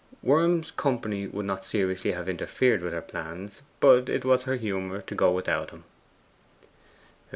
Worm's company would not seriously have interfered with her plans, but it was her humour to go without him.